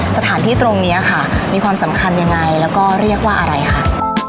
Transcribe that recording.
สถานที่ตรงนี้ค่ะมีความสำคัญยังไงแล้วก็เรียกว่าอะไรค่ะ